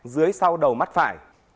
dưới sau đầu mắt phải